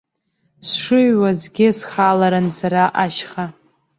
Сшыҩуазгьы схаларын сара ашьха.